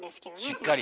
しっかり！